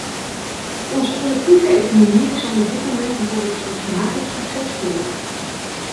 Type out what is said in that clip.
Onze collectieve economieën zijn op dit moment bijvoorbeeld slechts matig succesvol.